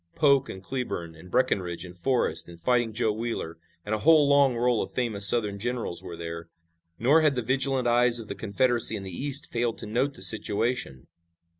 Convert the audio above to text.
Polk and Cleburne and Breckinridge and Forrest and Fighting Joe Wheeler and a whole long roll of famous Southern generals were there. Nor had the vigilant eyes of the Confederacy in the East failed to note the situation.